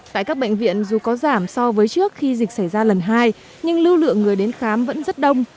tại các bệnh viện dù có giảm so với trước khi dịch xảy ra lần hai nhưng lưu lượng người đến khám vẫn rất đông